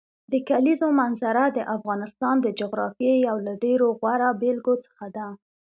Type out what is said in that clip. د کلیزو منظره د افغانستان د جغرافیې یو له ډېرو غوره بېلګو څخه ده.